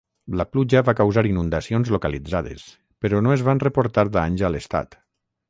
La pluja va causar inundacions localitzades, però no es van reportar danys a l'estat.